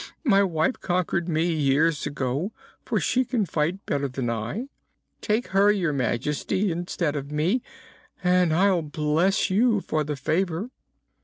My good wife conquered me years ago, for she can fight better than I. Take her, Your Majesty, instead of me, and I'll bless you for the favor."